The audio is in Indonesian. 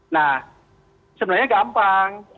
nah sebenarnya gampang